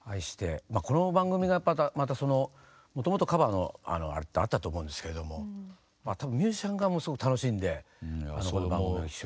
この番組がまたもともとカバーのあれってあったと思うんですけれども多分ミュージシャン側もすごく楽しんでこの番組を一緒に。